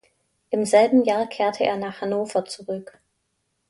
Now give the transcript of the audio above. Im selben Jahr kehrte er nach Hannover zurück.